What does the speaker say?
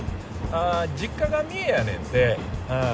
ああ実家が三重やねんてああ